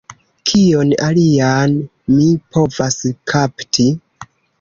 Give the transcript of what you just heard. Kion alian mi povas kapti?